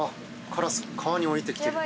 カラス、川に降りてきてる。